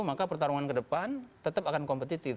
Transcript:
maka pertarungan kedepan tetap akan kompetitif